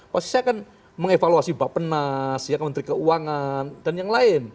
pasti saya akan mengevaluasi bapak penas ya menteri keuangan dan yang lain